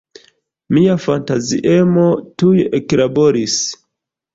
Mia fantaziemo tuj eklaboris.